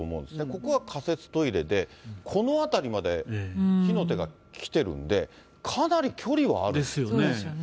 ここは仮設トイレで、この辺りまで火の手が来てるんで、かなり距離はある。